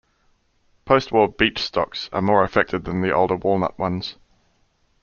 Postwar beech stocks are more affected than the older walnut ones.